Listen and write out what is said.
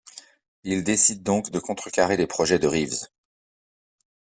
Il décide donc de contrecarrer les projets de Reeves.